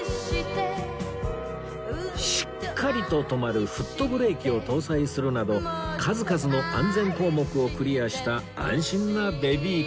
しっかりと止まるフットブレーキを搭載するなど数々の安全項目をクリアした安心なベビーカーなんです